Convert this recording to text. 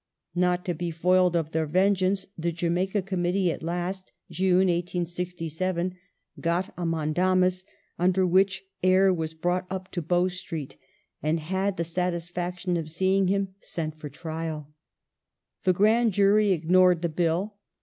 Not to be foiled of their vengeance, the Jamaica Committee at last (June, 1867) got a mandamus under which Eyre was brought up to Bow 1867] GOVERNOR EYRE 341 Street, and had the satisfaction of seeing him sent for trial. The Grand Jury ignored the Bill.